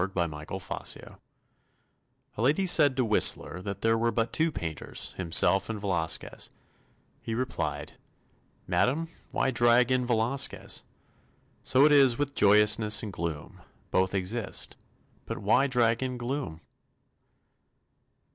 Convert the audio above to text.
A TOAST TO MERRIMENT A lady said to Whistler that there were but two painters himself and Velazquez. He replied: "Madam, why drag in Velazquez?" So it is with Joyousness and Gloom. Both exist, but why drag in Gloom?